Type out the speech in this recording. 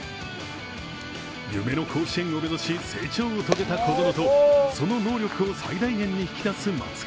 夢の甲子園を目指し、成長を遂げた去年のとその能力を最大限に引き出す松川。